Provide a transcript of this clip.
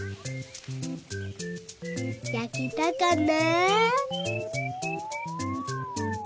やけたかな？